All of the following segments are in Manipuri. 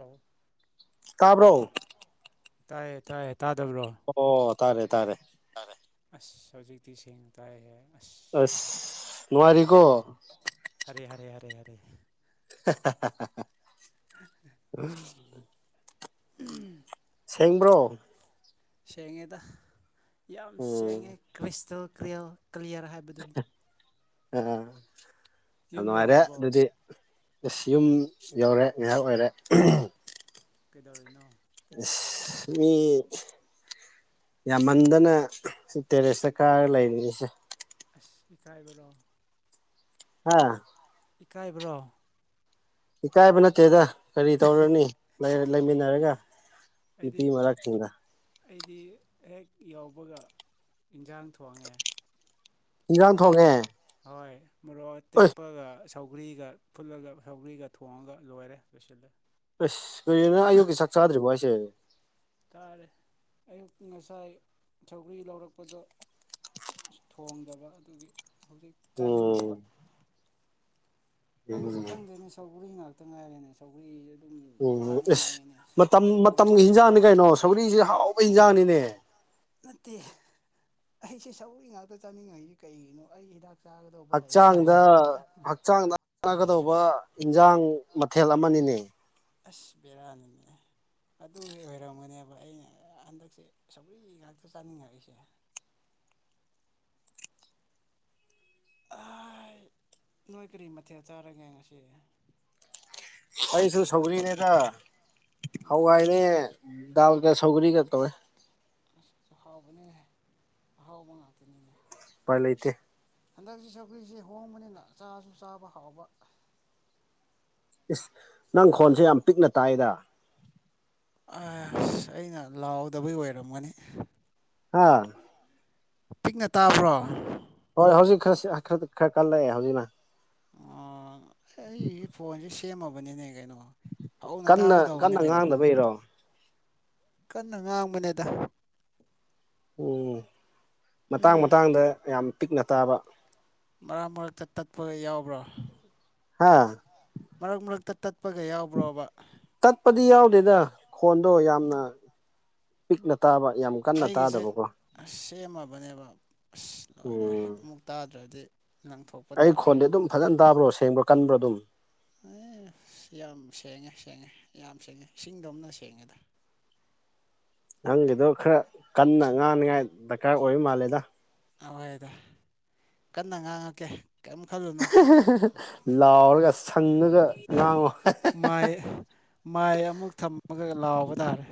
ꯑ ꯀꯥꯕ꯭ꯔꯣ ꯇꯥꯏꯌꯦ ꯇꯥꯏꯌꯦ ꯇꯥꯗꯕ꯭ꯔꯣ ꯇꯥꯔꯦ ꯇꯥꯔꯦ ꯑ ꯍꯧꯖꯤꯛꯇꯁꯤꯡꯦꯡ ꯇꯏ ꯍ ꯑꯁ ꯔꯤꯀꯣ ꯔꯦꯌꯥꯔꯦ ꯎꯝ ꯁꯦꯡꯦꯡꯕ꯭ꯔꯣ ꯁꯦꯡꯉꯦꯗ ꯌꯥꯝ ꯁꯦꯉꯦ ꯎꯝ ꯀ꯭ꯔꯤꯁ ꯀ꯭ꯔꯤꯌꯥ ꯀ꯭ꯂꯤꯌꯥꯔ ꯍꯥꯏꯕꯗꯨꯅꯤ ꯑ ꯌꯨꯝ ꯑꯅꯋꯥꯔꯦ ꯌꯧꯔꯕꯣ ꯑꯗꯨꯗꯤ ꯏꯁꯁ ꯌꯨꯝ ꯌꯧꯔꯦ ꯉꯥꯏꯍꯥꯛ ꯑꯣꯏꯔꯦ ꯀꯩꯗꯧꯔꯤꯅꯣ ꯃꯤ ꯌꯥꯝꯃꯟꯗꯅ ꯁꯤ ꯇꯦꯔꯦꯁꯇ ꯀꯥꯔꯒ ꯂꯩꯔꯤꯅꯤꯁꯦ ꯑ ꯀꯥꯏꯕꯂꯣ ꯑꯥ ꯏꯀꯥꯏꯕ꯭ꯔꯣ ꯏꯀꯥꯏꯕ ꯅꯠꯇꯦꯗ ꯀꯔꯤ ꯇꯧꯔꯅꯤ ꯂꯩꯃꯤꯟꯅꯔꯒ ꯑꯩꯗꯤ ꯅꯨꯄꯤꯤ ꯃ ꯁꯤꯗ ꯑꯩꯗꯤ ꯍꯦꯛ ꯌꯥꯎꯕꯒ ꯏꯟꯁꯥꯡ ꯊꯣꯡꯉꯦ ꯏꯤꯟꯖꯥꯡ ꯊꯣꯡꯉꯦ ꯍꯣꯏ ꯃꯔ ꯑꯣꯏ ꯇꯄ ꯁꯧꯒ꯭ꯔꯤꯒ ꯐꯨꯠꯂꯒ ꯁꯧꯒ꯭ꯔꯤꯒ ꯊꯣꯡꯉꯒ ꯂꯣꯏꯔꯦ ꯂꯣꯏꯁꯤꯜꯂꯦ ꯑꯁ ꯀꯔꯦꯅ ꯑꯌꯨꯛꯀꯤ ꯁꯥꯛ ꯆꯥꯗ꯭ꯔꯤꯕꯣ ꯑꯩꯁꯦ ꯇꯥꯔꯦ ꯑꯌꯨꯛ ꯉꯁꯥꯏ ꯊꯧꯒ꯭ꯔꯤ ꯂꯧꯔꯛꯄꯗꯣ ꯊꯣꯡꯗꯕ ꯑꯗꯨꯒꯤ ꯍꯧꯖꯤꯛ ꯆꯥꯅꯤꯡꯉꯛꯄ ꯎꯝ ꯑꯩꯒꯤꯁꯦ ꯎꯝ ꯈꯪꯗꯦꯅꯦ ꯁꯒ꯭ꯔꯤ ꯉꯥꯛꯇ ꯉꯥꯏꯔꯦꯅꯦ ꯁꯒꯔꯤ ꯎꯝ ꯑꯦꯁ ꯃꯇꯝ ꯃꯇꯝꯒꯤ ꯑꯣꯏꯕꯖꯥꯠꯂꯥ ꯍꯤꯟꯖꯥꯡꯅꯤ ꯀꯩꯅꯣ ꯁꯧꯔꯤꯁ ꯍꯥꯎꯕ ꯍꯤꯟꯖꯥꯡꯅꯤꯅꯦ ꯅꯠꯇꯦ ꯑꯩꯁꯦ ꯁꯧꯔꯤ ꯉꯥꯛꯇ ꯆꯥꯅꯤꯡꯉꯏꯁꯤꯦ ꯀꯩꯒꯤꯅꯣ ꯑꯩꯒꯤ ꯍꯤꯗꯥꯛ ꯆꯥꯒꯗꯧꯕ ꯂꯩꯕꯖꯥꯠꯂꯥ ꯍꯛꯆꯥꯡꯗ ꯍꯛꯆꯥꯡꯗ ꯀꯗꯧꯕ ꯏꯟꯖꯥꯡ ꯃꯊꯦꯜ ꯑꯃꯅꯤꯅꯦ ꯑꯁ ꯕꯤꯔꯌꯥꯅꯤꯅꯦ ꯑꯗꯨꯒꯤ ꯑꯣꯏꯔꯝꯒꯅꯦꯕ ꯑꯩꯅ ꯍꯟꯗꯛꯁꯦ ꯁꯧ꯭ꯔꯤ ꯉꯥꯛꯇ ꯆꯥꯅꯤꯡꯉꯛꯏꯁꯦ [inaudible] ꯅꯣꯏ ꯀꯔꯤ ꯃꯊꯦꯜ ꯆꯥꯔꯒꯦ ꯉꯁꯤ ꯑꯩꯁꯨ ꯁꯧꯔꯤꯅꯦꯗ ꯎꯝ ꯍꯋꯥꯏꯅꯦ ꯗꯗꯥ ꯀꯌꯥ ꯁꯧꯒꯔꯤ ꯀ ꯇꯧꯃꯦ ꯑꯁ ꯑ ꯍꯥꯎꯕꯅꯤꯍ ꯑꯍꯥꯎꯕ ꯉꯥꯛꯇꯅꯤꯅꯦ ꯄꯥꯏ ꯂꯩꯇ ꯍꯟꯗꯛꯁꯤ ꯁꯧꯒ꯭ꯔꯤꯁꯤ ꯍꯣꯡꯕꯅꯤꯅ ꯆꯥꯁꯨ ꯆꯥꯕ ꯍꯥꯎꯕ ꯏꯁ ꯅꯪ ꯈꯣꯟꯁꯦ ꯌꯥꯝ ꯄꯤꯛꯅ ꯇꯥꯏꯗ ꯑ ꯑꯁ ꯑꯩꯅ ꯂꯥꯎꯗꯕꯩ ꯑꯣꯏꯔꯝꯒꯅꯤ ꯍꯥꯥ ꯄꯤꯛꯅ ꯇꯥꯕ꯭ꯔꯣ ꯍꯣꯏ ꯍꯧꯖꯤꯛ ꯈꯔ ꯈꯔ ꯈꯔ ꯈꯜꯂꯛꯑꯦ ꯍꯧꯖꯤꯛꯅ ꯑꯩꯒꯤ ꯐꯣꯟꯁꯦ ꯁꯦꯝꯃꯕꯅꯤꯅꯦ ꯀꯩꯅꯣ ꯍꯧꯅ ꯀꯟꯅ ꯇꯥꯒꯗꯧꯕꯅꯦ ꯀꯟꯅ ꯀꯩꯅꯣ ꯉꯥꯡꯗꯕꯩꯔꯣ ꯀꯟꯅ ꯉꯥꯡꯕꯅꯦꯗ ꯎꯝ ꯃꯇꯥꯡ ꯎꯝ ꯃꯇꯥꯡꯗ ꯌꯥꯝ ꯄꯤꯛꯅ ꯇꯥꯕ ꯃꯔꯛ ꯃꯔꯛꯛꯇ ꯇꯠꯄ ꯌꯥꯎꯕ꯭ꯔꯥ ꯍꯥꯝ ꯃꯔꯛ ꯃꯔꯛꯇ ꯇꯠꯄꯒ ꯌꯥꯎꯕ꯭ꯔꯣꯕ ꯑꯗꯨꯗ ꯈꯣꯟꯗꯣ ꯎꯝ ꯌꯥꯝꯅ ꯄꯤꯛꯂ ꯑꯩꯒꯤꯁꯦ ꯁꯦꯝꯃꯕꯅꯦꯕ ꯑꯁ ꯂꯣꯏꯔꯦ ꯎꯝ ꯑꯃꯨꯛ ꯇꯥꯗ꯭ꯔꯗꯤ ꯂꯪꯊꯣꯛꯄ ꯑꯩ ꯇꯥꯔꯦ ꯈꯣꯟꯗꯤ ꯑꯗꯨꯝ ꯐꯖꯅ ꯇꯥꯕ꯭ꯔꯣ ꯁꯦꯡꯕ꯭ꯔꯥ ꯀꯟꯕ꯭ꯔꯥ ꯑꯗꯨꯝ ꯑꯦ ꯌꯥꯝ ꯁꯦꯡꯉꯦ ꯁꯦꯡꯉꯦ ꯌꯥꯝ ꯁꯦꯡꯉꯦ ꯏꯁꯤꯡꯗꯣꯝꯅ ꯁꯦꯡꯉꯦꯗ [inaudible] ꯅꯪꯒꯤꯗꯣ ꯈꯔ ꯀꯟꯅ ꯉꯥꯡꯅꯤꯉꯥꯏ ꯗꯔꯀꯥꯔ ꯑꯣꯏ ꯃꯥꯜꯂꯦꯗ ꯑꯣꯏꯗꯣ ꯀꯟꯅ ꯉꯥꯡꯉꯒꯦ ꯂꯥꯎꯔꯒ ꯁꯪꯉꯒ ꯉꯥꯡꯉꯣ ꯃꯥꯏ ꯃꯥꯏ ꯑꯃꯨꯛ ꯊꯝꯃꯒ ꯂꯥꯎꯕ ꯇꯥꯔꯦ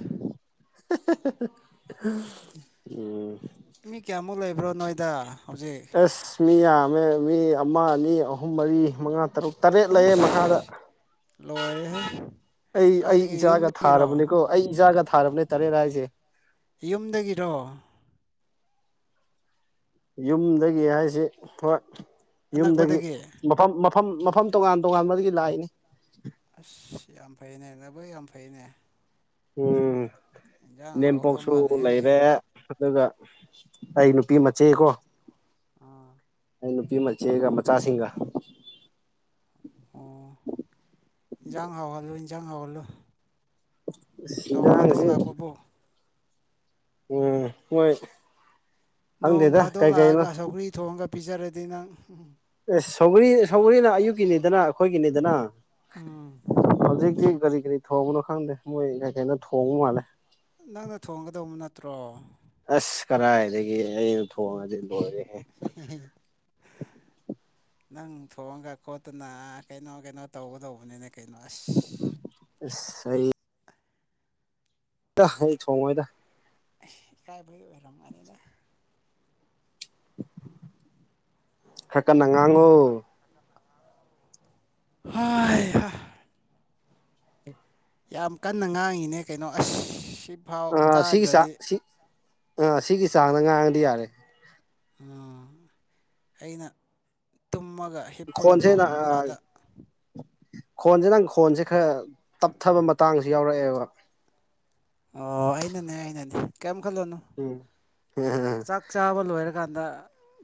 ꯎꯝ ꯃꯤ ꯀꯌꯥꯃꯨꯛ ꯂꯩꯕ꯭ꯔꯣ ꯅꯣꯏꯗ ꯍꯧꯖꯤꯛ ꯑꯦꯁ ꯃꯤ ꯌꯥꯝꯃꯦ ꯃꯤ ꯑꯃ ꯑꯅꯤ ꯑꯍꯨꯝ ꯃꯔꯤ ꯃꯉꯥ ꯇꯔꯨꯛ ꯇꯔꯦꯠ ꯂꯩꯌꯦꯦ ꯃꯈꯥꯗ ꯂ ꯑꯣꯏꯔꯦꯦ ꯑꯩ ꯑꯩ ꯏꯆꯥꯒ ꯊꯥꯔꯕꯅꯤꯀꯣ ꯑꯩ ꯏꯆꯥꯒ ꯊꯥꯔꯕꯅꯦ ꯇꯔꯦꯠ ꯍꯥꯏꯁꯦ ꯌꯨꯝꯗꯒꯤꯔꯣ ꯌꯨꯝꯗꯒꯤ ꯍꯥꯏꯁꯤ ꯍꯣꯏ ꯌꯨꯝꯗꯒꯤ ꯑꯅꯛꯄꯗꯒꯤ ꯃꯐꯝ ꯃꯐꯝ ꯃꯐꯝ ꯇꯣꯉꯥꯟ ꯇꯣꯉꯥꯟꯕꯗꯒꯤ ꯂꯥꯛꯏꯅꯤ ꯑꯁ ꯌꯥꯝ ꯐꯩꯅꯦ ꯅꯚꯣꯏ ꯌꯥꯝ ꯐꯩꯅꯦ ꯎꯝ ꯏꯟꯖꯥꯡ ꯍꯥꯎꯗꯧ ꯏꯅꯦꯝꯄꯣꯛꯁꯨ ꯂꯩꯔꯦ ꯃꯥꯜꯂꯦꯍꯦ ꯑꯗꯨꯒ ꯑꯩ ꯅꯨꯄꯤ ꯃꯆꯦꯀꯣ ꯑꯥ ꯅꯨꯄꯤ ꯃꯆꯦꯒ ꯃꯆꯥꯁꯤꯡꯒ ꯑꯣ ꯏꯟꯖꯥꯡ ꯍꯥꯎꯍꯜꯂꯨ ꯏꯟꯖꯥꯡ ꯍꯥꯎꯍꯜꯂꯨ ꯅꯣꯡ ꯐꯥꯗꯣꯛ ꯑꯍꯥꯡꯁꯤ ꯂꯥꯛꯄꯕꯨ ꯎꯝ ꯍꯣꯏ ꯅꯣꯡ ꯐꯥꯗꯣꯛ ꯂꯥꯛꯑꯒ ꯁꯧꯀ꯭ꯔꯤ ꯊꯣꯡꯉꯒ ꯄꯤꯖꯔꯗꯤ ꯅꯪ ꯎ ꯑꯁ ꯁꯧꯒꯔꯤ ꯁꯧꯒꯔꯤꯅ ꯑꯌꯨꯛꯀꯤꯅꯤꯗꯅ ꯑꯩꯈꯣꯏꯒꯤꯅꯤꯗꯅ ꯑꯥ ꯍꯧꯖꯤꯛꯇꯤ ꯀꯔꯤ ꯀꯔꯤ ꯊꯣꯡꯕꯅꯣ ꯈꯪꯗꯦ ꯃꯣꯏ ꯀꯔꯤ ꯀꯩꯅꯅꯣ ꯊꯣꯡꯕ ꯃꯥꯜꯂꯦ ꯅꯪꯅ ꯊꯣꯡꯒꯗ ꯅꯠꯇ꯭ꯔꯣ ꯑꯁ ꯈꯔ ꯂꯩ ꯑꯦ ꯑꯩ ꯊꯣꯡꯉꯦꯦ ꯅꯪ ꯊꯣꯡꯉꯒ ꯈꯣꯠꯇꯨꯅ ꯀꯩꯅꯣ ꯀꯩꯅꯣ ꯇꯧꯒꯗꯧꯕꯅꯤꯅꯦ ꯀꯩꯅꯩꯅꯣꯁ ꯑꯁ ꯑꯩ ꯑꯩ ꯊꯣꯡꯉꯣꯏꯗ ꯏꯀꯥꯏꯕꯩ ꯑꯣꯏꯔꯝꯃꯅꯤꯅ ꯍꯥꯏ ꯀꯟꯅ ꯉꯥꯡꯉꯨ ꯍ ꯌꯥꯝ ꯀꯟꯅ ꯉꯥꯡꯉꯤꯅꯦ ꯀꯩꯅꯣ ꯑꯁꯤ ꯁꯤꯐꯥꯎ ꯇꯥꯗ꯭ꯔꯗꯤ ꯑꯥ ꯁꯤꯒꯤ ꯆꯥꯡꯗ ꯉꯥꯡꯗꯤ ꯌꯥꯔꯦ ꯎꯝ ꯑꯩꯅ ꯇꯨꯝ ꯑꯃꯒ ꯍꯤꯞꯄꯒ ꯈꯣꯟꯁꯦ ꯀꯣ ꯅ ꯃꯈꯥꯗ ꯈꯣꯟꯁꯦ ꯅꯪ ꯈꯣꯟꯁꯦ ꯈꯔ ꯇꯞꯊꯕ ꯃꯇꯥꯡꯁꯨ ꯌꯥꯎꯔꯛꯑꯦꯕ ꯑꯣ ꯑꯩꯅꯅꯦ ꯑꯩꯅꯅꯦ ꯀꯌꯥꯝꯝ ꯈꯜꯂꯅꯨ ꯎꯝ ꯆꯥꯛ ꯆꯥꯕ ꯂꯣꯏꯔꯒ ꯆ ꯀꯥꯟꯗ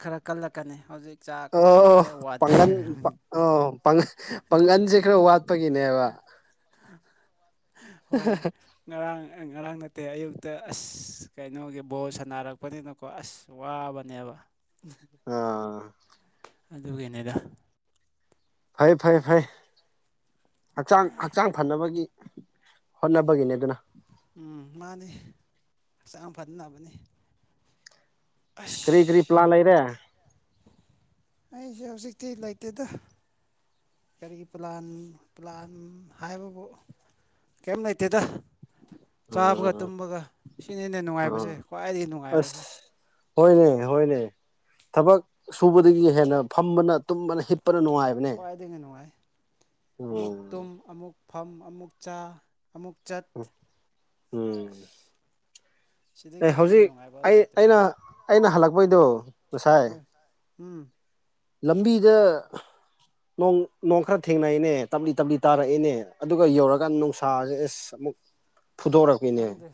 ꯈꯔ ꯀꯜꯂꯛꯀꯅꯤ ꯍꯧꯖꯤꯛ ꯑ ꯆꯥꯛꯁꯦ ꯈꯔ ꯋꯥꯠꯄ ꯐꯟ ꯑ ꯑꯣꯏꯔꯝꯅꯤ ꯄꯜ ꯄꯥꯡꯒꯜꯟꯁꯦ ꯈꯔ ꯋꯥꯠꯄꯒꯤꯅꯦꯕ ꯍꯣꯏ ꯉꯔꯥꯡ ꯉꯔꯥꯡ ꯅꯠꯇꯦ ꯑꯌꯨꯛꯇ ꯑꯁ ꯀꯩꯅꯣꯒꯤ ꯕꯣꯜ ꯁꯥꯟꯅꯔꯛꯄꯅꯤꯅꯀꯣ ꯑꯁ ꯋꯥꯕꯅꯦꯕ ꯑꯥ ꯑꯗꯨꯒꯤꯅꯤꯗ ꯐꯩ ꯐꯩꯦ ꯐꯩ ꯍꯛꯆꯥꯡ ꯍꯛꯆꯥꯡ ꯐꯅꯕꯒꯤ ꯍꯣꯂꯕꯒꯤꯅꯦ ꯑꯗꯨꯅ ꯎꯝ ꯃꯥꯅꯤ ꯍꯛꯆꯥꯡ ꯐꯅꯕꯅꯤ ꯏꯁ ꯑꯁ ꯀ꯭ꯔꯤ ꯀ꯭ꯔꯤ ꯄ꯭ꯂꯥ ꯂꯩꯔꯦ ꯑꯩꯁꯦ ꯍꯧꯖꯤꯛꯇꯤ ꯂꯩꯇꯦꯗ ꯀꯔꯤ ꯄ꯭ꯂꯥꯟ ꯄ꯭ꯂꯥꯟ ꯍꯥꯏꯕꯕꯨ ꯀꯔꯤꯝ ꯂꯩꯇꯦꯗ ꯆꯥꯕꯒ ꯎꯝ ꯇꯨꯝꯕꯒ ꯁꯤꯅ ꯍꯦꯟꯅ ꯅꯨꯡꯉꯥꯏꯕꯁꯦ ꯎꯝ ꯈ꯭ꯋꯥꯏꯗꯒꯤ ꯑꯁ ꯅꯨꯡꯉꯥꯏꯕꯁꯦ ꯍꯣꯏꯅꯦ ꯍꯣꯏꯅꯦ ꯊꯕꯛ ꯁꯨꯕꯗꯒꯤ ꯍꯦꯟꯅ ꯐꯝꯕꯅ ꯇꯨꯝꯕꯅ ꯍꯤꯞ ꯈ꯭ꯋꯥꯏꯗꯒꯤ ꯅꯨꯡꯉꯥꯏ ꯑꯃꯨꯛ ꯎꯝ ꯇꯨꯝ ꯑꯃꯨꯛ ꯐꯝ ꯑꯃꯨꯛ ꯆꯥ ꯑꯃꯨꯛ ꯆꯠ ꯎ ꯎꯝ ꯑꯦ ꯁꯤꯗꯒꯤ ꯍꯦꯟꯅ ꯍꯧꯖꯤꯛ ꯅꯨꯡꯉꯥꯏꯕ ꯑꯩ ꯑꯩꯅ ꯂꯩꯇ꯭ꯔꯦꯗ ꯑꯩꯅ ꯍꯜꯂꯛꯄꯩꯗꯣ ꯉꯁꯥꯏ ꯍꯣꯏ ꯎꯝ ꯂꯝꯕꯤꯤꯗ ꯅꯣꯡ ꯅꯣꯡ ꯈꯔ ꯊꯦꯡꯅꯩꯅꯦ ꯇꯞꯂꯤ ꯇꯞꯂꯤ ꯇꯥꯔꯛꯏꯦꯅꯦ ꯑꯗꯨꯒ ꯌꯧꯔꯀꯥꯟ ꯅꯨꯡꯁꯥꯁꯦ ꯑꯦꯁ ꯃꯨꯛ ꯈꯪꯗꯦ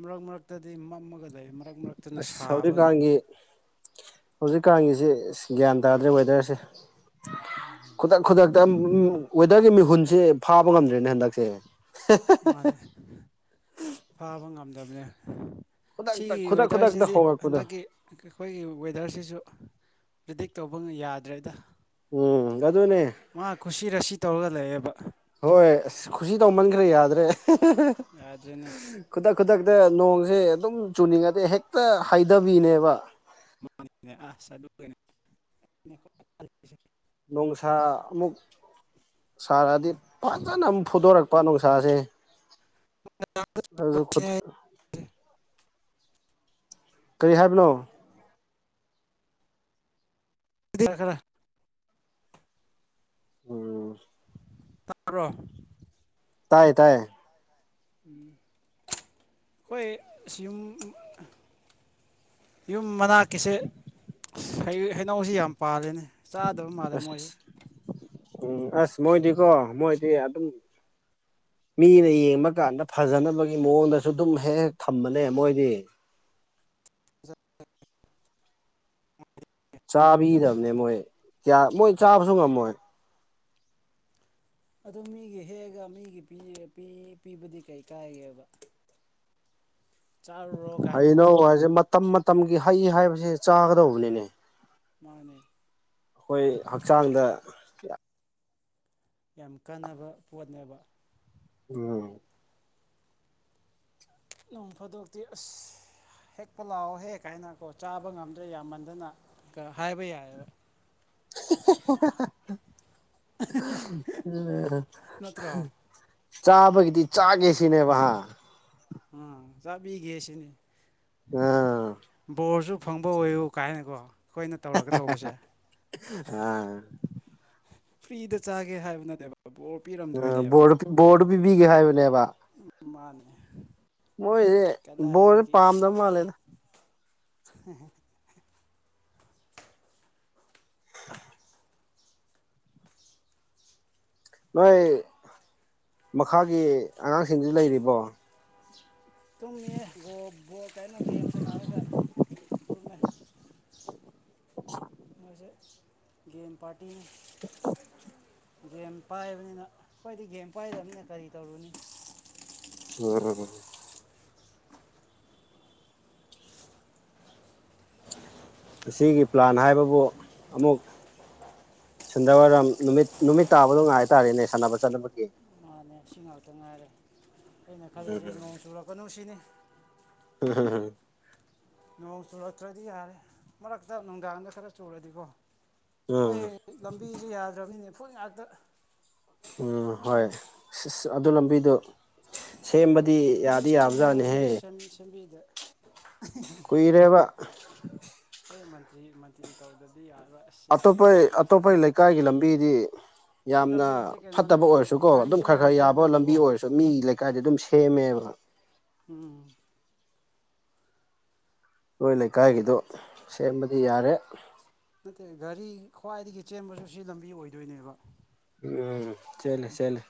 ꯃꯔꯛ ꯃꯔꯛꯇꯗꯤ ꯐ ꯑꯃꯒꯗ ꯃꯔꯛ ꯃꯔꯛꯇꯅ ꯁꯥꯕ ꯍꯧꯖꯤꯛꯀꯥꯟꯒꯤꯁꯤ ꯒ꯭ꯌꯥꯟ ꯇꯥꯗ꯭ꯔꯦ ꯋꯦꯗꯔꯁꯦ ꯈꯨꯗꯛ ꯈꯨꯗꯛꯇ ꯋꯦꯗꯔꯒꯤ ꯃꯤꯍꯨꯟꯁꯦ ꯐꯥꯕ ꯉꯝꯗ꯭ꯔꯦꯅꯦ ꯍꯟꯗꯛꯁꯦ ꯃꯥꯅꯦ ꯐꯥꯕ ꯉꯝꯗꯕꯅꯦ ꯈꯨꯗꯛꯇ ꯁꯤꯒꯤ ꯈꯨꯗꯛ ꯈꯨꯗꯛꯇ ꯋꯦꯗꯔꯁꯤꯗꯤ ꯍꯣꯡꯉꯛꯄꯗꯣ ꯍꯟꯗꯛꯀꯤ ꯑꯩꯈꯣꯏꯒꯤ ꯋꯦꯗꯔꯁꯤꯁꯨ ꯄꯔꯤꯗꯤꯛ ꯇꯧꯕ ꯌꯥꯗ꯭ꯔꯦꯗ ꯎꯝ ꯑꯗꯨꯅꯦ ꯃꯥ ꯀꯨꯁꯤ ꯔꯥꯁꯤ ꯇꯧꯔꯒ ꯂꯩꯌꯦꯕ ꯍꯣꯏ ꯑꯁ ꯈꯨꯁꯤ ꯇꯧꯃꯟꯈ꯭ꯔꯦ ꯌꯥꯗ ꯌꯥꯗ꯭ꯔꯦꯅꯦ ꯈꯨꯗ ꯈꯨꯗꯛꯇ ꯅꯣꯡꯁꯦ ꯑꯗꯨꯝ ꯆꯨꯅꯤꯡꯉꯗꯤ ꯍꯦꯛꯇ ꯍꯥꯏꯊꯕꯤꯅꯦꯕ ꯑ ꯅꯨꯡꯁꯥ ꯑꯃꯨꯛ ꯁꯥꯔꯛꯑꯗꯤ ꯐꯖꯅ ꯑꯃꯨꯛ ꯐꯨꯗꯣꯔꯛꯄ ꯄꯥꯥꯅꯨ ꯈꯨꯁꯥꯥꯁꯦꯁꯨ ꯈꯨꯗ ꯀꯔꯤ ꯍꯥꯏꯕꯅꯣ ꯗꯤ ꯌꯥ ꯈꯔ ꯎꯝ ꯊꯄ꯭ꯔꯣ ꯇꯥꯏꯌꯦ ꯇꯥꯏꯌꯦ ꯎ ꯑꯩꯈꯣꯏ ꯁꯤꯨꯝ ꯌꯨꯝ ꯃꯅꯥꯛꯀꯤꯁꯦ ꯍꯩꯅꯧꯁꯤ ꯌꯥꯝ ꯄꯥꯜꯂꯤꯅꯦ ꯆꯥꯗꯕ ꯃꯥꯔ ꯑꯁ ꯃꯁ ꯎꯝ ꯑꯁ ꯃꯣꯏꯗꯤꯀꯣ ꯃꯣꯏꯗꯤ ꯑꯗꯨꯝ ꯃꯤꯅ ꯌꯦꯡꯕ ꯀꯥꯟꯗ ꯐꯖꯅꯕꯒꯤ ꯃꯑꯣꯡꯗꯁꯨ ꯑꯗꯨꯝ ꯍꯦꯛ ꯍꯦꯛ ꯊꯝꯕꯅꯦ ꯃꯣꯏꯗꯤ [inaudible] ꯕꯗ ꯆꯥꯕꯤꯗꯕꯅꯦ ꯃꯣꯏ ꯀꯌꯥ ꯃꯣꯏ ꯆꯥꯕꯁꯨ ꯉꯝꯃꯣꯏ ꯑꯗꯨ ꯃꯤꯒꯤ ꯍꯦꯛꯒ ꯃꯤꯒꯤ ꯄꯤꯕꯗꯤ ꯀꯩ ꯀꯥꯏꯒꯦꯕ [inaudible] ꯀꯥꯏꯅꯀꯣ ꯍꯩꯅꯣ ꯍꯥꯏꯁꯦ ꯃꯇꯝ ꯃꯇꯝꯒꯤ ꯍꯩ ꯍꯥꯏꯕꯁꯤ ꯆꯥꯒꯗꯧꯕꯅꯤꯅꯦ ꯃꯥꯅꯦ ꯑꯩꯈꯣꯏ ꯍꯛꯆꯥꯡꯗ ꯌꯥꯝ ꯀꯥꯟꯅꯕ ꯄꯣꯠꯅꯦꯕ ꯎꯝ ꯅꯣꯡ ꯐꯥꯗꯣꯛꯇꯤ ꯑꯁ ꯍꯦꯛꯄ ꯂꯥꯛꯑꯣ ꯍꯦꯛ ꯀꯥꯏꯅꯀꯣ ꯆꯥꯕ ꯉꯝꯗ꯭ꯔꯦ ꯌꯥꯝꯃꯟꯗꯅ ꯍꯥꯏꯕ ꯌꯥꯏꯑꯕ [inaudible] ꯎ ꯅꯠꯇ꯭ꯔꯣ ꯆꯥꯕꯒꯤ ꯆꯥ ꯀꯩꯁꯤꯅꯦꯕꯍ ꯎꯝ ꯆꯥꯕꯤꯒꯦꯁꯤꯅꯤ ꯑꯥ ꯣꯔꯁꯨ ꯐꯪꯕ ꯑꯣꯏꯌꯨ ꯀꯥꯏꯅꯀꯣ ꯑꯩꯈꯣꯏꯅ ꯇꯧꯔꯒ ꯇꯧꯕꯁꯦ ꯑꯥ ꯐ꯭ꯔꯤꯗ ꯆꯥꯒꯦ ꯍꯥꯏꯕ ꯅꯠꯇꯦꯕ ꯕꯣꯔ ꯄꯤꯔꯝꯗꯣꯏꯅꯦꯕ ꯎꯣꯔ ꯣꯔꯠ ꯄ ꯕꯤꯒꯦ ꯍꯥꯏꯕꯅꯦꯕ ꯃꯥꯅꯦ ꯃꯣꯏꯗꯤꯦ ꯕꯣꯔꯁꯦ ꯀꯗꯥꯏꯗꯒꯤ ꯄꯥꯝꯗꯕ ꯃꯥꯜꯂꯦꯗ [inaudible] ꯅꯣꯏ ꯃꯈꯥꯒꯤ ꯑꯉꯥꯡꯁꯤꯡꯁꯤ ꯂꯩꯔꯤꯕꯣ ꯇꯨꯝꯃꯤꯌꯦꯕꯣ ꯀꯥꯏꯅ ꯒꯦꯝ ꯁꯥꯟꯅꯔꯒ ꯑꯗꯨ ꯃ ꯃꯁꯦ ꯒꯦꯝ ꯄꯥꯇꯤ ꯒꯦꯝ ꯄꯥꯏꯕꯅꯤꯅ ꯑꯩꯣꯏꯗꯤ ꯒꯦꯝ ꯄꯥꯏꯗꯕꯅꯤꯅ ꯀꯔꯤ ꯇꯧꯔꯨꯅꯤ ꯎꯝ ꯑꯁꯤꯒꯤꯒꯤ ꯄ꯭ꯂꯥꯟ ꯍꯥꯏꯕꯕꯨ ꯑꯃꯨꯛ ꯁꯤꯟꯗꯋꯥꯔꯝ ꯅꯨꯃꯤꯠ ꯅꯨꯃꯤꯠ ꯇꯥꯕꯗꯣ ꯉꯥꯏ ꯇꯔꯦꯅꯦ ꯁꯥꯟꯅꯕ ꯆꯠꯅꯕꯒꯤ ꯑꯁꯤ ꯉꯥꯛꯇ ꯉꯥꯏꯔꯦ ꯑꯩꯅ ꯈꯜꯂꯤꯁꯦ ꯅꯣꯡ ꯆꯨꯔꯛꯀꯅꯨ ꯁꯤꯅꯤ ꯍꯝꯝꯝ ꯅꯣꯡ ꯆꯨꯔꯛꯇ꯭ꯔꯗꯤ ꯌꯥꯔꯦ ꯃꯔꯛꯇ ꯅꯨꯡꯗꯥꯡꯗ ꯈꯔ ꯆꯨꯔꯗꯤꯀꯣ ꯎꯝ ꯍꯣꯏ ꯂꯝꯕꯤꯁ ꯌꯥꯗ꯭ꯔꯕꯅꯤꯅꯦ ꯐꯣꯏ ꯉꯥꯛꯇ ꯎꯝ ꯍꯣꯏ ꯑ, ꯑꯗꯨ ꯂꯝꯕꯤꯗꯣ ꯁꯦꯝꯕꯗꯤ ꯂꯝꯕꯤ ꯌꯥꯗꯤ ꯌꯥꯕꯖꯥꯠꯅꯦꯍꯦ ꯁꯦꯝꯕꯤꯌꯣꯁꯦ ꯁꯦꯝ ꯁꯦꯝꯕꯤꯗꯦ [inaudible] ꯀꯨꯏꯔꯕ ꯑꯩ ꯃꯟꯇ꯭ꯔꯤ ꯃꯟꯇ꯭ꯔꯤ ꯇꯧꯔꯗꯗꯤ ꯌꯥꯦ ꯑꯇꯣꯞꯄ ꯑꯇꯣꯞꯄ ꯂꯩꯀꯥꯏꯒꯤ ꯂꯝꯕꯤꯗꯤ ꯁꯤ ꯌꯥꯝꯅ ꯂꯝꯕꯤꯁꯤꯗꯤ ꯐꯠꯇꯕ ꯀꯩꯅꯣꯅꯦꯕ ꯑꯣꯏꯔꯁꯨꯀꯣ ꯑꯗꯨꯝ ꯒꯥꯔꯤꯁꯨ ꯈꯔ ꯌꯥꯝ ꯈꯔ ꯌꯥꯕ ꯂꯝꯕꯤ ꯆꯦꯜꯂꯦꯕꯀꯣ ꯑꯣꯏꯔꯁꯨ ꯃꯤ ꯂꯩꯀꯥꯏꯗ ꯑꯗꯨꯝ ꯑꯦꯦꯃꯦꯦꯜ ꯎꯝ ꯑꯩꯈꯣꯏ ꯂꯩꯀꯥꯏꯒꯤꯗꯣ ꯁꯦꯝꯕꯗꯤ ꯌꯥꯔꯦ ꯅꯠꯇꯦ ꯒꯥꯔꯤ ꯈ꯭ꯋꯥꯏꯗꯒꯤ ꯆꯦꯟꯕꯁꯨ ꯁꯤ ꯂꯝꯕꯤ ꯑꯣꯏꯗꯣꯏꯅꯦꯕ ꯎꯝ ꯆꯂꯦ ꯆꯂ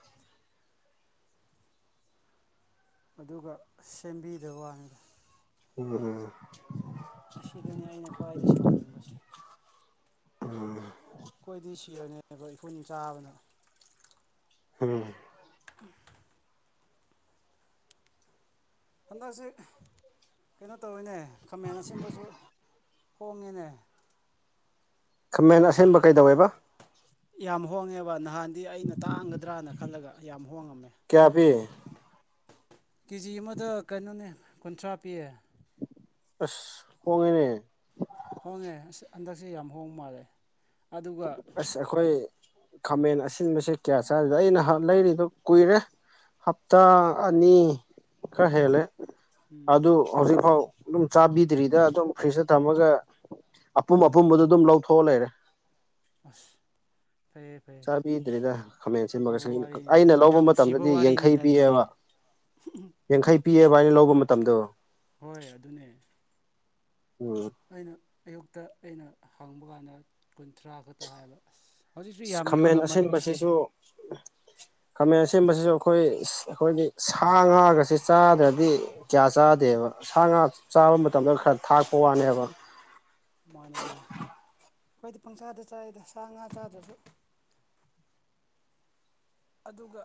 ꯑꯗꯨꯒ ꯁꯦꯝꯕꯤꯗꯕ ꯋꯥꯅꯤꯗ ꯎꯝ ꯑꯁꯤꯗꯅꯦ ꯑꯩꯅ ꯈ꯭ꯋꯥꯏꯗ ꯁꯥꯎꯅꯤꯡꯕꯁꯦ ꯎꯝ ꯑꯩꯈꯣꯏꯗꯤ ꯁꯤꯔꯅꯦꯕ ꯑꯩꯈꯣꯏꯅ ꯆꯥꯕꯅ ꯎꯝ ꯎꯝ ꯍꯟꯗꯛꯁꯤ ꯀꯩꯅꯣ ꯇꯧꯋꯅꯦ ꯈꯥꯃꯦꯟ ꯑꯁꯤꯕꯁꯨ ꯍꯣꯡꯉꯤꯅꯦ ꯈꯃꯦꯟ ꯑꯁꯦꯡꯕ ꯀꯩꯗꯧꯋꯦꯕ ꯌꯥꯝ ꯍꯣꯡꯉꯦꯕ ꯅꯍꯥꯟꯗꯤ ꯑꯩꯅ ꯇꯥꯡꯒꯗ꯭ꯔꯅ ꯈꯜꯂꯒ ꯌꯥꯝ ꯍ ꯀꯌꯥꯄꯤ ꯀꯦꯖꯤ ꯑꯃꯗ ꯀꯩꯅꯣꯅꯦ ꯀꯨꯟꯊ꯭ꯔꯥ ꯄꯤꯌꯦ ꯑꯁ ꯍꯉꯦꯅꯦ ꯍꯣꯡꯉꯦ ꯑꯁ ꯍꯟꯗꯛꯁꯦ ꯌꯥꯝ ꯍꯣꯡ ꯃꯥꯜꯂꯦ ꯑꯗꯨꯒ ꯑꯁ ꯑꯩꯈꯣꯏ ꯈꯥꯃꯦꯟ ꯑꯁꯤꯟꯕꯁꯦ ꯀꯌꯥ ꯆꯥꯔꯤꯗꯦ ꯑ ꯅꯍ ꯂꯩꯔꯤꯗꯣ ꯀꯨꯏꯔꯦ ꯍꯞꯇꯥ ꯑꯅꯤ ꯈꯔ ꯍꯦꯜꯂꯦ ꯑꯗꯨ ꯍꯧꯖꯤꯛꯐꯥꯎ ꯑꯗꯨꯝ ꯆꯥꯕꯤꯗ꯭ꯔꯤꯗ ꯑꯗꯨꯝ ꯐ꯭ꯔꯤꯖꯇ ꯊꯝꯃꯒ ꯑꯄꯨꯝ ꯑꯄꯨꯝꯕꯗ ꯑꯗꯨꯝ ꯂꯧꯊꯣꯛꯑ ꯂꯩꯔꯦ ꯑꯁ ꯐꯩꯌꯦꯦ ꯐꯩꯌꯦ ꯆꯥꯕꯤꯗ꯭ꯔꯤꯗ ꯈꯥꯃꯦꯟ ꯌꯥꯝ ꯑꯁꯤꯟꯕꯒ ꯐꯕ ꯋꯥꯔꯤꯅꯤꯅꯦ ꯑꯩꯅ ꯂꯧꯕ ꯌꯥꯝ ꯅꯨꯡꯁꯤꯕ ꯃꯇꯝꯗꯗꯤ ꯌꯥꯡꯈꯩ ꯋꯥꯔꯤꯅꯤꯅꯦ ꯑꯗꯨꯗꯤ ꯎꯝ ꯄꯤꯑꯕ ꯍꯥꯏꯅ ꯂꯧꯕ ꯃꯇꯝꯗꯣ ꯍꯣꯏ ꯑꯗꯨꯅꯦ ꯎꯝ ꯑꯩꯅ ꯑꯌꯨꯛꯇ ꯑꯩꯅ ꯍꯪꯕ ꯀꯥꯟꯗ ꯀꯨꯟꯊ꯭ꯔꯥ ꯈꯛꯇ ꯍꯥꯏꯕ ꯑꯁ ꯍꯧꯖꯤꯛꯁꯨ ꯌꯥꯝ ꯈꯥꯃꯦꯟ ꯌꯣꯜꯂꯝꯕꯅꯦ ꯑꯁꯤꯁꯟꯕꯁꯤꯁꯨ [inaudible] ꯈꯥꯃꯦꯟ ꯁꯦꯝꯕꯁꯤꯁꯨ ꯑꯩꯈꯣꯏ ꯑꯩꯈꯣꯏꯒꯤ ꯁꯥ ꯉꯥꯒꯁꯤꯦ ꯆꯥꯗ꯭ꯔꯗꯤ ꯀꯌꯥ ꯆꯥꯗꯦꯕ ꯁꯥ ꯉꯥ ꯆꯥꯕ ꯃꯇꯝꯗ ꯈꯔ ꯊꯥꯛꯄ ꯋꯥꯅꯦꯕ ꯃꯥꯅꯦ ꯃꯥꯅꯦ ꯑꯩꯈꯣꯏꯗꯤ ꯄꯪꯆꯥꯥꯗ ꯆꯥꯏꯗ ꯁꯥ ꯉꯥ ꯆꯥꯗ꯭ꯔꯁꯨ ꯑꯗꯨꯒ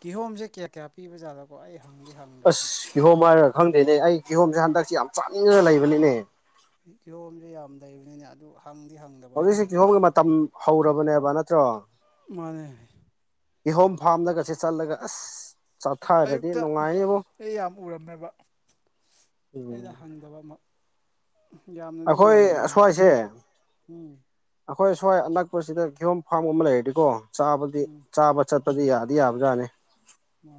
ꯀꯤꯍꯣꯝꯁꯦ ꯀꯌꯥ ꯀꯌꯥ ꯄꯤꯕꯖꯥꯠꯅꯀꯣ ꯑꯩ ꯍꯪꯗꯤ ꯑꯁ ꯍꯪꯗ꯭ꯔꯕꯅꯤ ꯀꯤꯍꯣꯝ ꯍꯥꯏꯔꯒ ꯈꯪꯗꯦꯅꯦ ꯑꯩ ꯀꯤꯍꯣꯝꯁꯦ ꯍꯟꯗꯛꯁꯦ ꯌꯥꯝ ꯆꯥꯅꯤꯡꯉꯒ ꯂꯩꯕꯅꯤꯅꯦ ꯀꯤꯍꯣꯝꯁꯦ ꯌꯥꯝ ꯂꯩꯕꯅꯤꯅ ꯑꯗꯨꯒ ꯍꯧꯖꯤꯛꯁꯤ ꯀꯤꯍꯣꯡꯝꯒꯤ ꯃꯇꯝ ꯍꯧꯔꯕꯅꯦꯕ ꯅꯠꯇ꯭ꯔꯣ ꯃꯥꯅꯦ ꯏꯍꯣꯝ ꯐꯥꯝꯅꯒꯁꯦ ꯆꯠꯂꯒ ꯑꯁ ꯆꯥꯊꯔꯗꯤ ꯑꯌꯨꯛꯇ ꯅꯨꯡꯉꯥꯏꯅꯤꯕꯣ ꯑꯩ ꯌꯥꯝ ꯎꯔꯝꯃꯦꯕ ꯎꯝ ꯑꯩꯅ ꯍꯪꯗꯕ ꯌꯥꯝꯅꯗꯤ ꯑꯩꯈꯣꯏ ꯌꯣꯜꯂꯝꯕꯅꯦ ꯑꯁ꯭ꯋꯥꯏꯁꯦ ꯎꯝ ꯑꯩꯈꯣꯏ ꯁ꯭ꯋꯥꯏ ꯑꯅꯛꯄꯁꯤꯗ ꯀꯤꯍꯣꯝ ꯐꯥꯝ ꯑꯃ ꯂꯩꯔꯗꯤꯀꯣ ꯆꯥꯗꯤ ꯎꯝ ꯆꯥꯕ ꯆꯠ ꯗꯤ ꯌꯥꯗꯤ ꯌꯥꯕꯖꯥꯅꯦ ꯃ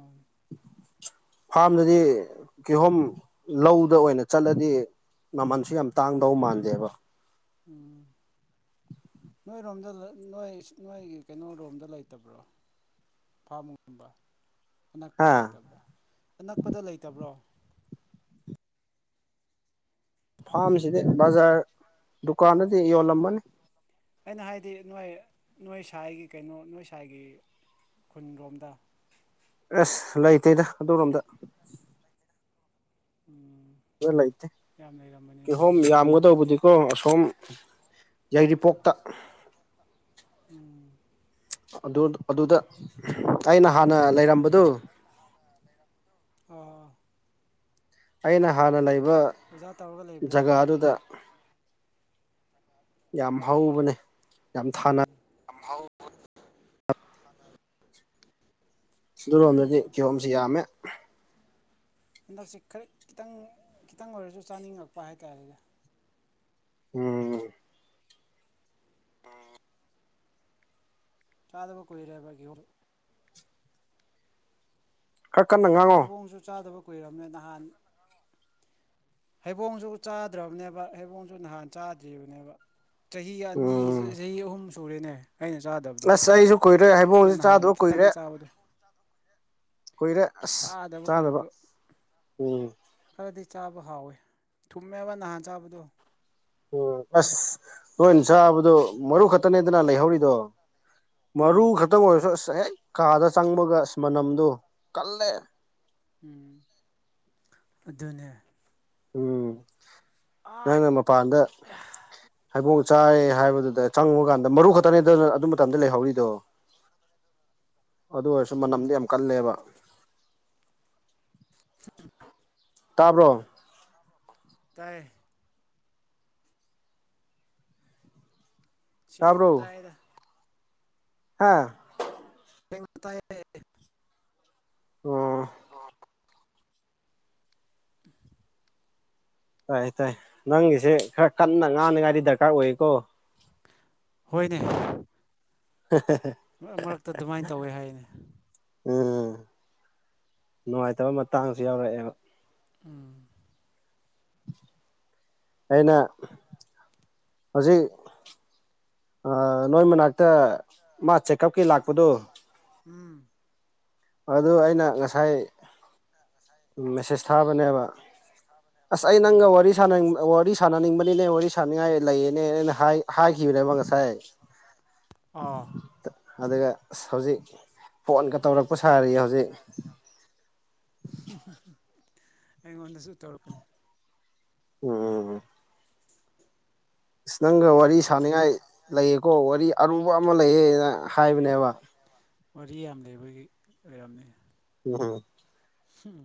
ꯐꯥꯔꯝꯗꯗꯤ ꯀꯤꯍꯣꯝ ꯂꯧꯗ ꯑꯣꯏꯅ ꯆꯠꯂꯗꯤ ꯃꯃꯜꯁꯨ ꯌꯥꯝ ꯇꯥꯡꯗꯧ ꯃꯥꯟꯗꯦꯕ ꯎꯝ ꯅꯣꯏꯔꯣꯝꯗ ꯅꯣꯏ ꯅꯣꯏꯒꯤ ꯀꯩꯅꯣꯔꯣꯝꯗ ꯂꯩꯇꯕ꯭ꯔꯣ ꯐꯥꯃꯨꯡꯒꯨꯝꯕ ꯑꯅꯛꯄꯗ ꯍꯥ ꯂꯩꯇꯕ꯭ꯔꯥ ꯑꯅꯛꯄꯗ ꯂꯩꯇꯕ꯭ꯔꯣ ꯐꯥꯔꯝꯁꯤꯗꯤ ꯕꯖꯥꯔ ꯗꯨꯀꯥꯟꯗꯗꯤ ꯌꯣꯜꯂꯝꯃꯅꯤ ꯑꯩꯅ ꯍꯥꯏꯗꯤ ꯅꯣꯏ ꯅꯣꯏ ꯁ꯭ꯋꯥꯏꯒꯤ ꯀꯩꯅꯣ ꯅꯣꯏ ꯁ꯭ꯋꯥꯒꯤ ꯈꯨꯟꯂꯣꯝꯗ ꯑꯁ ꯂꯩꯇꯦꯗ ꯑꯗꯨꯔꯣꯝꯗ [inaudible] ꯎꯝ ꯂꯩꯇꯦ ꯌꯥꯝ ꯂꯩꯔꯝꯕꯅꯤꯅꯦ ꯀꯤꯍꯣꯝ ꯌꯥꯝꯒꯗꯧꯕꯗꯤꯀꯣ ꯑꯁꯣꯝ ꯌꯥꯏꯔꯤꯄꯣꯛꯇ ꯎꯝ ꯑꯗꯨ ꯑꯗꯨꯗ ꯑꯩꯅ ꯍꯥꯟꯅ ꯂꯩꯔꯝꯕꯗꯨ ꯑꯥ ꯑꯥ ꯑꯩꯅ ꯍꯥꯟꯅ ꯂꯩꯕ ꯑꯣꯖꯥ ꯇꯧꯔꯒ ꯂꯩꯕꯗꯣ ꯖꯒꯥꯗꯨꯗ ꯌꯥꯝ ꯍꯧꯕꯅꯦ ꯌꯥꯝ ꯊꯥꯅ ꯑꯝꯍꯥꯎ ꯑꯗꯨꯔꯣꯝꯗꯗꯤ ꯀꯤꯍꯣꯝꯁꯤ ꯌꯥꯝꯃꯦ ꯍꯟꯗꯛꯁꯤ ꯈꯔ ꯈꯤꯇꯪ ꯈꯤꯇꯪ ꯑꯣꯏꯔꯁꯨ ꯆꯥꯅꯤꯡꯉꯛꯄ ꯍꯥꯏꯇꯥꯔꯦꯗꯤ ꯎꯝ ꯑ ꯆꯥꯗꯕ ꯀꯏꯔꯦꯕꯒꯤ ꯑꯣꯏꯔ ꯈꯔ ꯀꯟꯅ ꯉꯥꯡꯉꯣ ꯍꯩꯕꯣꯡꯁꯨ ꯆꯥꯗꯕ ꯀꯨꯏꯔꯔꯕꯅꯦ ꯅꯍꯥꯟ ꯍꯩꯕꯣꯡꯁꯨ ꯆꯥꯗ꯭ꯔꯕꯅꯦꯕ ꯍꯩꯕꯣꯡꯁꯨ ꯅꯍꯥꯟ ꯆꯥꯗ꯭ꯔꯤꯕꯅꯦꯕ ꯆꯍꯤ ꯑꯅꯤ ꯎꯝ ꯆꯍꯤ ꯑꯍꯨꯝ ꯁꯨꯔꯦꯅꯦ ꯑꯩꯅ ꯆꯥꯗꯕꯗꯣ ꯑꯁ ꯑꯩꯁꯨ ꯀꯨꯏꯔꯦ ꯑꯗꯣ ꯍꯥꯏꯩꯕꯣꯡꯁ ꯅꯍꯥꯟ ꯆꯥꯗꯕ ꯈꯤꯇꯪ ꯀꯨꯏꯔꯦ ꯆꯥꯕꯗꯣ ꯀꯨꯏꯔꯦ ꯑꯁ ꯆꯥꯗꯕ ꯎꯝ ꯈꯗꯤ ꯆꯥꯕ ꯍꯥꯎꯋꯤ ꯊꯨꯝꯃꯦꯕ ꯅꯍꯥꯟ ꯆꯥꯕꯗꯣ ꯎꯝ ꯑꯁ ꯅꯣꯏꯅ ꯆꯥꯕꯗꯣ ꯃꯔꯨ ꯈꯛꯇꯅꯦꯗꯅ ꯂꯩꯍꯧꯔꯤꯗꯣ ꯃꯥꯔꯨ ꯎꯝ ꯈꯠꯃ ꯑꯣꯏ ꯆ ꯍꯦꯛ ꯀꯥꯗ ꯆꯪꯕꯒ ꯏꯁ ꯃꯅꯝꯗꯨ ꯀꯜꯂꯦ ꯎꯝ ꯑꯗꯨꯅꯦ ꯎꯝ ꯑꯥꯏꯠ ꯅꯪꯅ ꯃꯄꯥꯟꯗ ꯍꯥꯏꯕꯣꯡ ꯆꯥꯏ ꯍꯥꯏꯕꯗꯨꯗ ꯆꯪꯉ ꯀꯥꯟꯗ ꯃꯔꯨ ꯈꯛꯇꯅꯦ ꯑꯗꯨ ꯑꯗꯨ ꯃꯇꯝꯗ ꯂꯩꯍꯧꯔꯤꯗꯣ ꯑꯗꯨ ꯑꯗꯨ ꯑꯣꯏꯔꯁꯨ ꯃꯅꯝꯗꯤ ꯌꯥꯝ ꯀꯜꯂꯦꯕ ꯇꯥꯕ꯭ꯔꯣ ꯇꯦ ꯆꯦ ꯉꯇꯥꯏꯗ ꯍꯥꯥ ꯇ ꯑ ꯇꯥꯏ ꯇꯥꯏ ꯅꯪꯒꯤꯁꯦ ꯈꯔ ꯀꯟꯅ ꯉꯥꯡꯅꯉꯥꯏꯗꯤ ꯗꯔꯀꯥꯔ ꯑꯣꯏꯀꯣ ꯀꯅꯦ [unintelligible] ꯇꯧꯋꯦ ꯍꯥꯏꯅꯦ ꯎꯝ ꯅꯨꯡꯉꯥꯏꯇꯕ ꯃꯇꯥꯡꯁꯨ ꯌꯥꯎꯔꯛꯑꯦꯕ ꯑꯥ ꯑꯩꯅ ꯍꯧꯖꯤꯛ ꯅꯣꯏ ꯃꯅꯥꯛꯇ ꯃꯥ ꯆꯦꯛꯑꯞꯀꯤ ꯂꯥꯛꯄꯗꯨꯣ ꯎꯝ ꯑꯗꯨ ꯑꯩꯅ ꯉꯁꯥꯏ ꯃꯦꯁꯦꯖ ꯊꯥꯕꯅꯦꯕ ꯑꯁ ꯑꯩ ꯅꯪꯒ ꯎꯝ ꯋꯥꯔꯤ ꯁꯥꯅꯅꯤꯡ ꯋꯥꯔꯤ ꯁꯥꯟꯅꯅꯤꯡꯕꯅꯤꯅꯦ ꯋꯥꯔꯤ ꯁꯥꯟꯅꯤꯡꯉꯥꯏ ꯂꯩꯌꯦꯅꯦ ꯑꯩꯅ ꯍꯥꯏꯈꯤꯕꯅꯦꯕ ꯉꯁꯥꯏ ꯑꯥ ꯑꯗꯨꯒ ꯑ ꯍꯧꯖꯤꯛ ꯐꯣꯟꯒ ꯇꯧꯔꯛꯄ ꯁꯥꯔꯤꯌꯦ ꯍꯧꯖꯤꯛ ꯑꯩꯉꯣꯟꯗꯁꯨ ꯇꯧꯔꯛꯄꯅꯦ ꯎꯝ ꯑꯁ ꯅꯪꯒ ꯌꯥꯝ ꯋꯥꯔꯤ ꯂꯩꯕ ꯁꯥꯅꯤꯡꯉꯥꯏ ꯃꯥꯜꯂꯦ ꯂꯩꯌꯦꯀꯣ ꯋꯥꯔꯤ ꯑꯔꯨꯕ ꯑꯃ ꯂꯩꯌꯦꯅ ꯍꯥꯏꯕꯅꯦꯕ ꯋꯥꯔꯤ ꯌꯥꯝ ꯂꯩꯕꯒꯤ ꯌꯥꯝꯅꯤ ꯎ ꯍꯝ